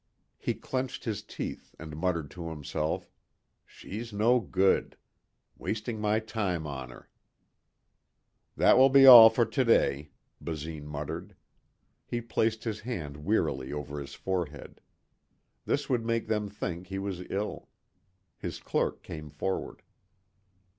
He clenched his teeth and muttered to himself, "She's no good. Wasting my time on her!" "That will be all for today," Basine muttered. He placed his hand wearily over his forehead. This would make them think he was ill. His clerk came forward.